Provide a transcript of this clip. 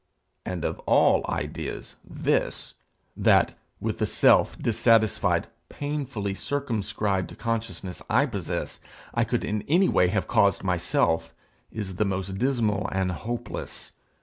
And of all ideas this that, with the self dissatisfied, painfully circumscribed consciousness I possess, I could in any way have caused myself, is the most dismal and hopeless.